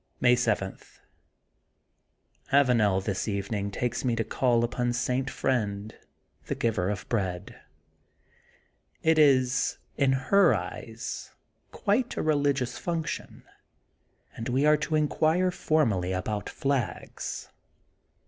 May 7: — ^Avanel this evening takes me to call upon St.' Friend, The Giver of Bread. It is, in her eyes, quite a reUgious function. And we are to inquire formally about flags.